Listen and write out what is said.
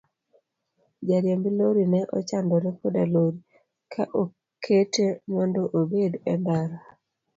Jariemb lori ne ochandore koda lori ka okete mondo obed e ndara.